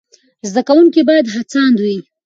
زده کوونکي باید هڅاند وي.